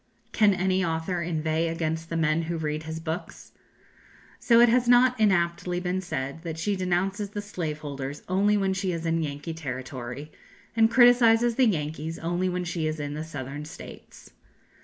Can any author inveigh against the men who read his books? So it has not inaptly been said that she denounces the slave holders only when she is in Yankee territory, and criticises the Yankees only when she is in the Southern States.